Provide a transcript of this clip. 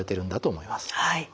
はい。